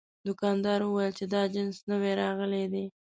دوکاندار وویل چې دا جنس نوي راغلي دي.